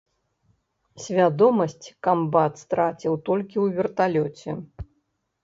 Свядомасць камбат страціў толькі ў верталёце.